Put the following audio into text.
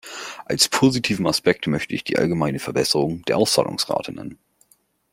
Als positiven Aspekt möchte ich die allgemeine Verbesserung der Auszahlungsrate nennen.